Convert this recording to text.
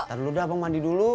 ntar dulu dah abang mandi dulu